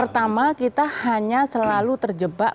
pertama kita hanya selalu terjebak